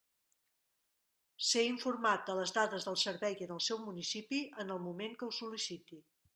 Ser informat de les dades del servei en el seu municipi, en el moment que ho sol·liciti.